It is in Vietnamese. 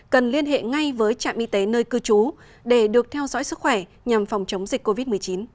cần liên hệ ngay với trạm y tế nơi cư trú để được theo dõi sức khỏe nhằm phòng chống dịch covid một mươi chín